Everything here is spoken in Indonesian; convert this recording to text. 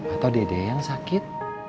atau dede yang sakit